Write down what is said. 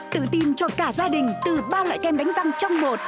tự tin cho cả gia đình từ ba loại kem đánh răng trong một